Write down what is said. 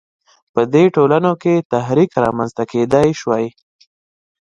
په دې ټولنو کې تحرک رامنځته کېدای شوای.